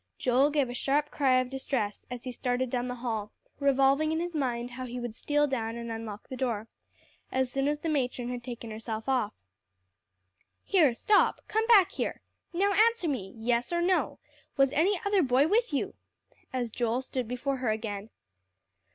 Joel gave a sharp cry of distress as he started down the hall, revolving in his mind how he would steal down and unlock the door as soon as the matron had taken herself off. "Here, stop come back here! Now answer me yes or no was any other boy with you?" as Joel stood before her again.